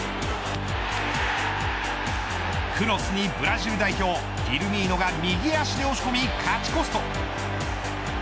クロスにブラジル代表フィルミーノが右足で押し込み勝ち越すと。